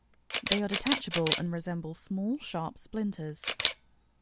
They are detachable and resemble small, sharp splinters.